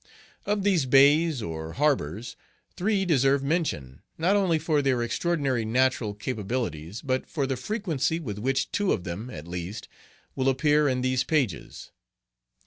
Of these bays or harbors, three deserve mention, not only for their extraordinary natural capabilities, but for the frequency with which two of them, at least, will appear in these pages.